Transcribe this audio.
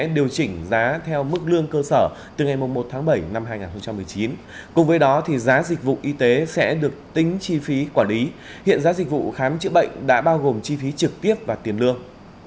đã bao gồm chi phí trực tiếp và tiền lương